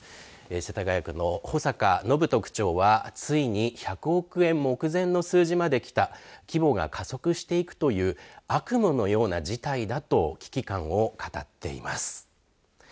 世田谷区の保坂展人区長はついに１００億円目前の数字まできた規模が加速していくという悪夢のような事態だと危機感を語っています。